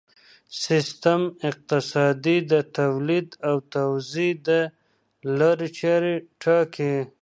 سیستم اقتصادي د تولید او توزیع د لارې چارې ټاکي.